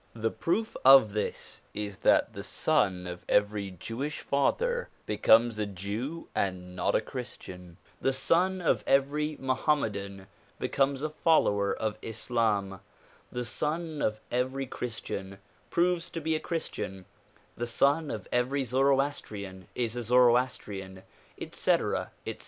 The proof of this is that the son of every Jewish father becomes a Jew and not a Christian; the son of eveiy Mo hammedan becomes a follower of Islam ; the son of every Christian proves to be a Christian ; the son of every Zoroastrian is a Zoroas trian, etc., etc.